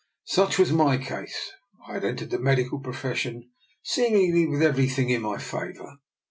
Such was my case. I had entered the medical profession seemingly with everything in my favour.